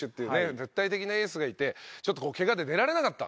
絶対的なエースがいてちょっとけがで出られなかった。